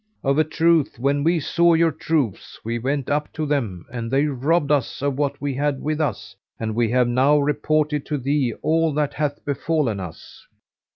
Of a truth when we saw your troops, we went up to them; and they robbed us of what we had with us and we have now reported to thee all that hath befallen us."